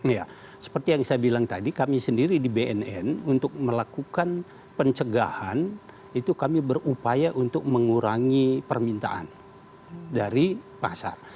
ya seperti yang saya bilang tadi kami sendiri di bnn untuk melakukan pencegahan itu kami berupaya untuk mengurangi permintaan dari pasar